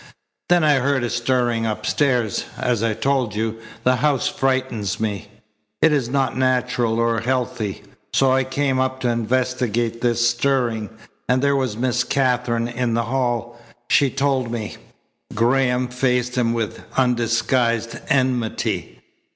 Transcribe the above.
Then I heard a stirring upstairs. As I've told you, the house frightens me. It is not natural or healthy. So I came up to investigate this stirring, and there was Miss Katherine in the hall. She told me." Graham faced him with undisguised enmity.